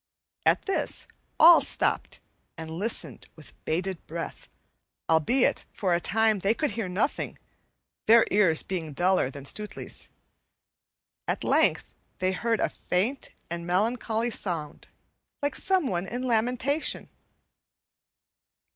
At this all stopped and listened with bated breath, albeit for a time they could hear nothing, their ears being duller than Stutely's. At length they heard a faint and melancholy sound, like someone in lamentation.